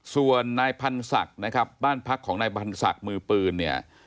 ส่วนนายพันธ์ศักดิ์นะครับบ้านพักของนายพันศักดิ์มือปืนเนี่ย